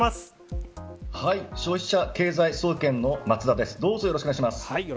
消費者経済総研の松田です。